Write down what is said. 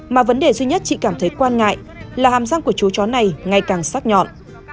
mà vấn đề duy nhất chị cảm thấy quan ngại là hàm răng của chú chó này ngày càng sắc nhọn